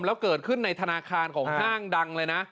แล้วเกิดขึ้นในธนาคารของห้างดังเลยนะ